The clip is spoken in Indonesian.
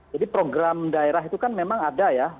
jadi program daerah itu kan memang ada ya